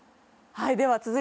はい。